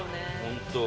本当。